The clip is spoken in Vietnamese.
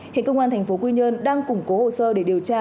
hình công an thành phố quy nhơn đang củng cố hồ sơ để điều tra